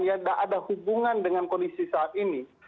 ya tidak ada hubungan dengan kondisi saat ini